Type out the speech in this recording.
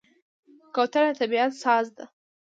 کوتره د طبیعت ساز ده.